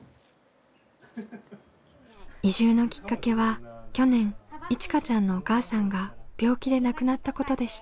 移住のきっかけは去年いちかちゃんのお母さんが病気で亡くなったことでした。